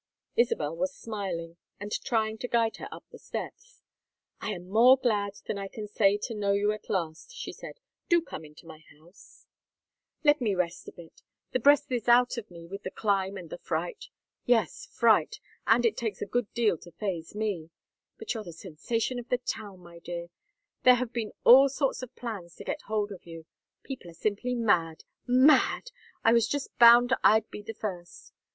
Isabel was smiling and trying to guide her up the steps. "I am more glad than I can say to know you, at last," she said. "Do come into my house." "Let me rest a bit. The breath is out of me with the climb and the fright. Yes, fright, and it takes a good deal to phaze me. But you're the sensation of the town, my dear. There have been all sorts of plans to get hold of you. People are simply mad mad! I was just bound I'd be the first.